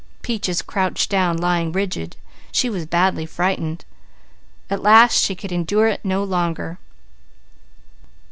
Peaches crouched down, lying rigidly. She was badly frightened. At last she could endure it no longer.